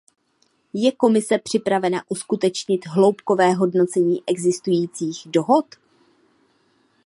Je Komise připravena uskutečnit hloubkové hodnocení existujících dohod?